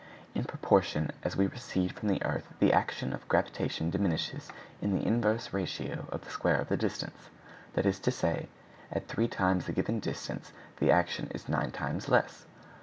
In proportion as we recede from the earth the action of gravitation diminishes in the inverse ratio of the square of the distance; that is to say, _at three times a given distance the action is nine times less.